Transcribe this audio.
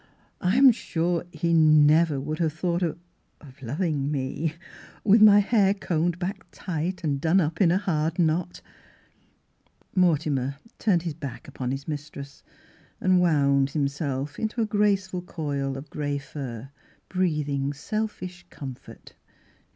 " I am sure he never would have thought of — of — loving me, with my hair combed back tight and done up in a hard knot !" Mortimer turned his back upon his mis tress, and wound himself into a graceful coil of grey fur breathing selfish comfort.